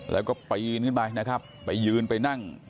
แล้วก็ปีนขึ้นไปนะครับไปยืนไปนั่ง